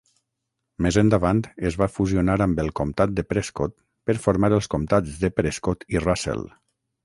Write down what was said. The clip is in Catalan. Més endavant es va fusionar amb el comtat de Prescott per formar els comtats de Prescott i Russell.